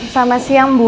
selamat siang bu